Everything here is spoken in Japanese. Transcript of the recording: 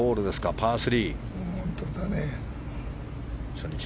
パー３。